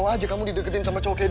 ya aku gak mau aja bel